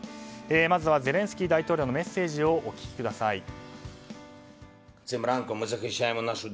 まずはゼレンスキー大統領のメッセージをお聞きください。